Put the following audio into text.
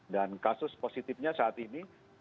dan kasus positifnya saat ini